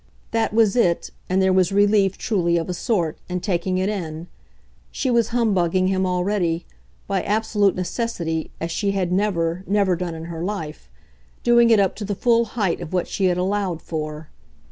That was it, and there was relief truly, of a sort, in taking it in: she was humbugging him already, by absolute necessity, as she had never, never done in her life doing it up to the full height of what she had allowed for.